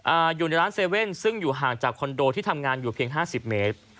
อยู่ในร้านเซเว่นซึ่งอยู่ห่างจากคอนโดที่ทำงานอยู่เพียงห้าสิบเมตร